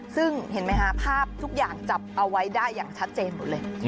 ซึ่งเห็นไหมคะภาพทุกอย่างจับเอาไว้ได้อย่างชัดเจนหมดเลย